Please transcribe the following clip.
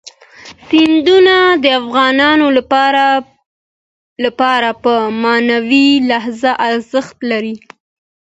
سیندونه د افغانانو لپاره په معنوي لحاظ ارزښت لري.